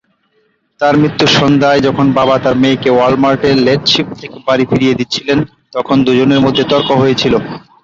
তার মৃত্যুর সন্ধ্যায়, যখন বাবা তার মেয়েকে ওয়াল-মার্টে লেট শিফট থেকে বাড়ি ফিরিয়ে দিচ্ছিলেন, তখন দুজনের মধ্যে তর্ক হয়েছিল।